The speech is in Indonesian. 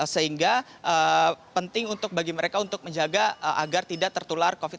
sehingga penting untuk bagi mereka untuk menjaga agar tidak tertular covid sembilan belas